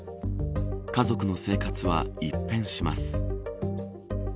家族の生活は一変します。